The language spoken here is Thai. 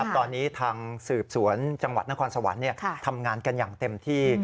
ตอนนี้ทางสืบสวนจังหวัดนครสวรรค์ทำงานกันอย่างเต็มที่